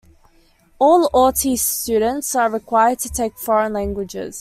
All Awty students are required to take foreign languages.